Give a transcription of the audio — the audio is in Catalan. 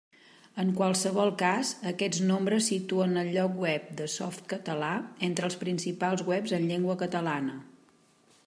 En qualsevol cas, aquests nombres situen el lloc web de Softcatalà entre els principals webs en llengua catalana.